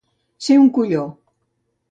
Ser un colló.